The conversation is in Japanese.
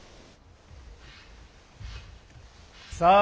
さあ！